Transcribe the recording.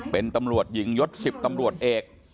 เป็นตำรวจหญิงยศ๑๐ตำรวจเอก